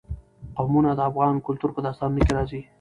قومونه د افغان کلتور په داستانونو کې راځي.